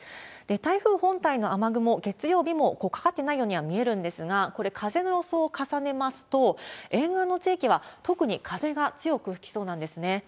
台風本体の雨雲、月曜日もかかってないようには見えるんですが、これ、風の予想を重ねますと、沿岸の地域は特に風が強く吹きそうなんですね。